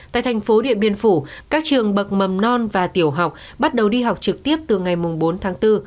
tại thành phố điện biên phủ các trường bậc mầm non và tiểu học bắt đầu đi học trực tiếp từ ngày bốn tháng bốn